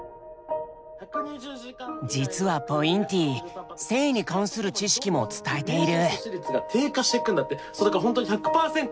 実はポインティ性に関する知識も伝えている。